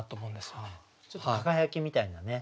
ちょっと輝きみたいなね